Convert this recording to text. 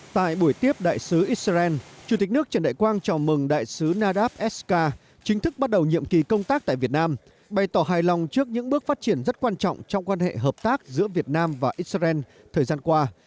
tại buổi tiếp đại sứ israel chủ tịch nước trần đại quang chào mừng đại sứ nadav sk chính thức bắt đầu nhiệm kỳ công tác tại việt nam bày tỏ hài lòng trước những bước phát triển rất quan trọng trong quan hệ hợp tác giữa việt nam và israel thời gian qua